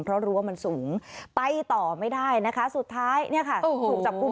เพราะรั้วมันสูงไปต่อไม่ได้นะคะสุดท้ายเนี่ยค่ะถูกจับกลุ่ม